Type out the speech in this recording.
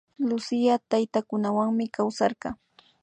Lucía taytakunawanmi kawsarka